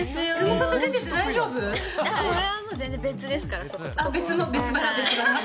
それはもう全然別ですから、別腹？